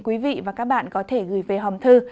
quý vị và các bạn có thể gửi về hòm thư